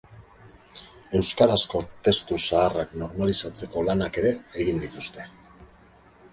Euskarazko testu zaharrak normalizatzeko lanak ere egin dituzte.